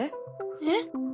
えっ？